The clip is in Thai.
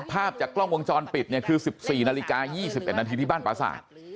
ภาพจากกล้องวงจรปิดเนี่ยคือ๑๔นาฬิกา๒๑นาทีที่บ้านประสาท